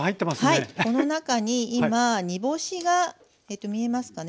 この中に今煮干しが見えますかね。